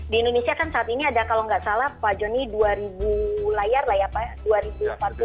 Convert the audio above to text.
di indonesia kan saat ini ada kalau nggak salah pak joni dua ribu layar lah ya pak